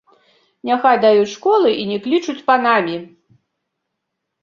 Няхай даюць школы і не клічуць панамі!